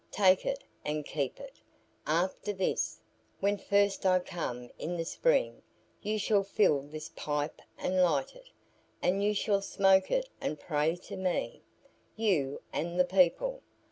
Take it and keep it. After this, when first I come in the spring you shall fill this pipe and light it, and you shall smoke it and pray to me; you and the people.